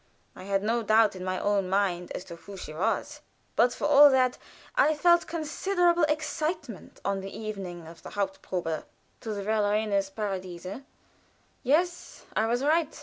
I had no doubt in my own mind as to who she was, but for all that I felt considerable excitement on the evening of the haupt probe to the "Verlorenes Paradies." Yes, I was right.